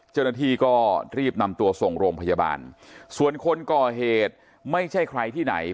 เจ้าหน้าที่ก็รีบนำตัวส่งโรงพยาบาลส่วนคนก่อเหตุไม่ใช่ใครที่ไหน